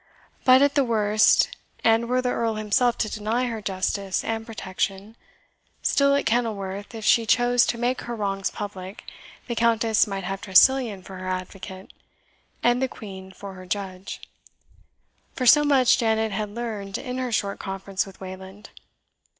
But at the worst, and were the Earl himself to deny her justice and protection, still at Kenilworth, if she chose to make her wrongs public, the Countess might have Tressilian for her advocate, and the Queen for her judge; for so much Janet had learned in her short conference with Wayland.